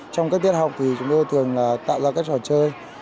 trong các tiết học thì chúng tôi thường tạo ra các trò chơi